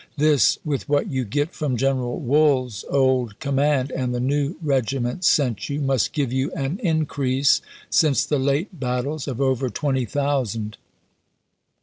This, with what you get from General Wool's old command, and the new regi ments sent you, must give you an increase, since the late battles, of over twenty thousand.